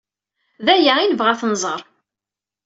D aya ay nebɣa ad t-nẓer.